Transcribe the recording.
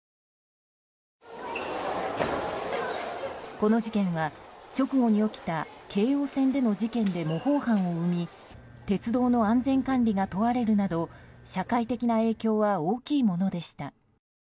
この事件は直後に起きた京王線での事件で模倣犯を生み鉄道の安全管理が問われるなど社会的な影響は大きいものでした。